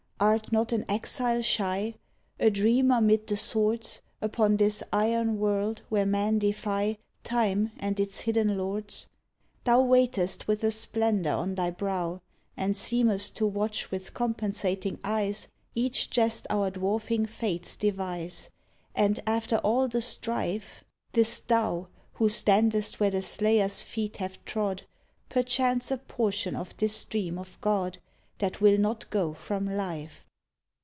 Art not an exile shy, A dreamer 'mid the swords, Upon this iron world where men defy Time and its hidden lords? Thou waitest with a splendor on thy brow. And seem'st to watch with compensating eyes Each jest our dwarfing Fates devise; And after all the strife. 64 AN AL'TJR OF "THE WEST 'Tis thou Who standest where the slayers' feet have trod— Perchance a portion of this dream of God That will not go from life.